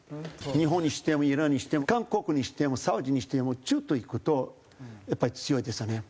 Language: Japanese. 日本にしてもイランにしても韓国にしてもサウジにしても中東行くとやっぱり強いですよね。